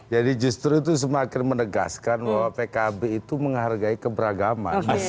jadi justru itu semakin menegaskan bahwa pkb itu menghargai keberagaman